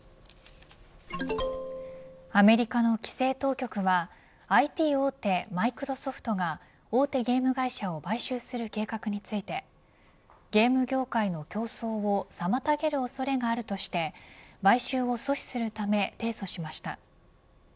アメリカの規制当局はＩＴ大手、マイクロソフトが大手ゲーム会社を買収する計画についてゲーム業界の競争を妨げる恐れがあるとして買収を阻止するため提訴しました。